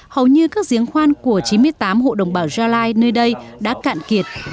hầu như các giếng khoan của chín mươi tám hộ đồng bào gia lai nơi đây đã cạn kiệt